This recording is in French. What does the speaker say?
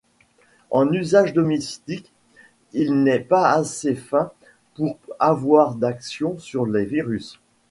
En usage domestique, il n'est pas assez fin pour avoir d'action sur les virus.